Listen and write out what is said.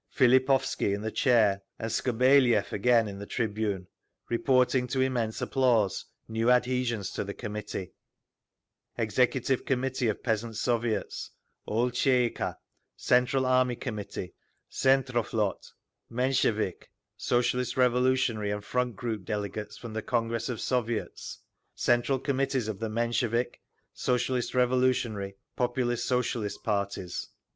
Fillipovsky in the chair and Skobeliev again in the tribune, reporting, to immense applause, new adhesions to the Committee; Executive Committee of Peasants' Soviets, old Tsay ee kah, Central Army Committee, Tsentroflot, Menshevik, Socialist Revolutionary and Front group delegates from the Congress of Soviets, Central Committees of the Menshevik, Socialist Revolutionary, Populist Socialist parties.